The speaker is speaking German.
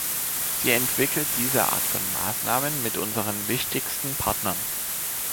Sie entwickelt diese Art von Maßnahmen mit unseren wichtigsten Partnern.